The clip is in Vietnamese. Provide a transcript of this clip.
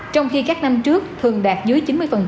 trong khi các năm trước thường đạt dưới chín mươi